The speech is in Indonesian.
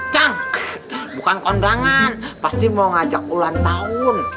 cang bukan kondangan pasti mau ngajak ulang tahun